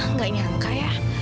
nggak nyangka ya